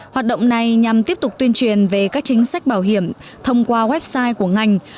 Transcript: hoạt động này nhằm tiếp tục tuyên truyền về các chính sách bảo hiểm thông qua website của ngành